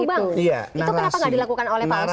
itu kenapa tidak dilakukan oleh pak osman sabta